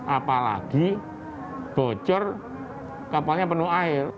apalagi bocor kapalnya penuh air